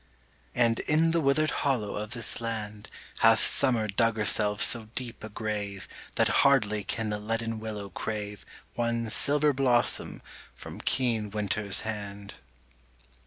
And in the withered hollow of this land Hath Summer dug herself so deep a grave, That hardly can the leaden willow crave One silver blossom from keen Winter's hand.